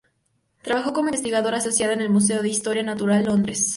Trabajó como investigadora asociada en el Museo de Historia Natural, Londres.